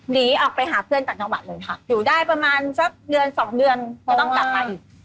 หนีออกไปหาเพื่อนต่างจังหวัดเลยค่ะอยู่ได้ประมาณสักเดือนสองเดือนก็ต้องกลับมาอีก